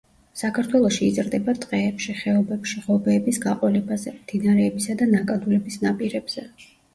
საქართველოში იზრდება ტყეებში, ხეობებში, ღობეების გაყოლებაზე, მდინარეებისა და ნაკადულების ნაპირებზე.